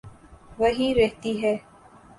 وہیں رہتی ہے۔